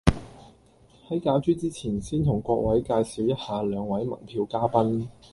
喺攪珠之前先同各位介紹一下兩位盟票嘉賓